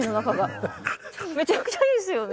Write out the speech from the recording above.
めちゃくちゃいいですよね。